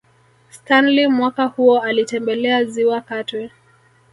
Stanley mwaka huo alitembelea Ziwa Katwe